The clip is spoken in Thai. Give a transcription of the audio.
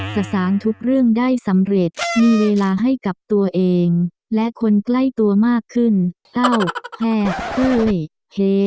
สารทุกเรื่องได้สำเร็จมีเวลาให้กับตัวเองและคนใกล้ตัวมากขึ้นเอ้าแห่เอ้ยเฮ